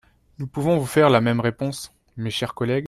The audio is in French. Nous pouvons vous faire la même réponse, mes chers collègues